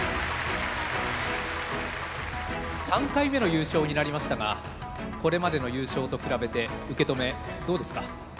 ３回目の優勝になりましたがこれまでの優勝と比べて受け止めどうですか？